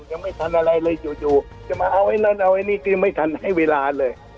ยังไม่ทันอะไรเลยจู่จะมาเอาไอ้นั่นเอาไอ้นี่คือไม่ทันให้เวลาเลย